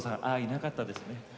なかったですね。